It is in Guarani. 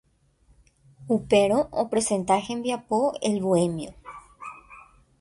Upérõ opresenta hembiapo El Bohemio.